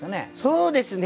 そうですね